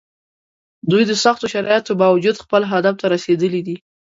دوی د سختو شرایطو باوجود خپل هدف ته رسېدلي دي.